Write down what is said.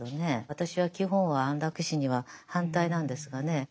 私は基本は安楽死には反対なんですがね。